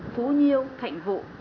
phú nhiêu thạnh vụ